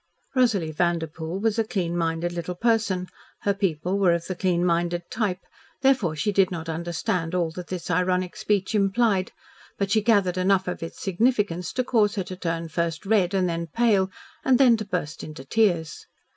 Rosalie Vanderpoel was a clean minded little person, her people were of the clean minded type, therefore she did not understand all that this ironic speech implied, but she gathered enough of its significance to cause her to turn first red and then pale and then to burst into tears.